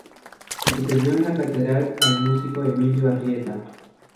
Sucedió en la cátedra al músico Emilio Arrieta.